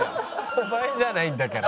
お前じゃないんだから。